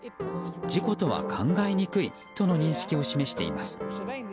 事故とは考えにくいとの認識を示しています。